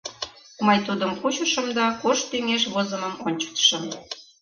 Мый тудым кучышым да кож тӱҥеш возымым ончыктышым.